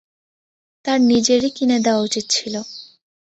তাঁর নিজেরই কিনে দেয়া উচিত ছিল।